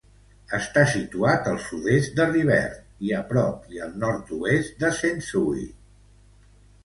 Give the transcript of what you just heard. Està situat al sud-est de Rivert i a prop i al nord-oest de Sensui.